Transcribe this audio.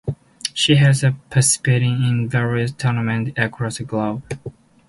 She has participated in various tournaments across the globe.